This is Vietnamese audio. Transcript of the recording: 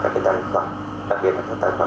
các cái tài khoản đặc biệt là tài khoản